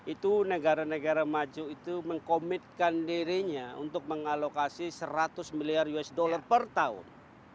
itu negara negara maju itu mengkomitkan dirinya untuk mengalokasi seratus miliar usd per tahun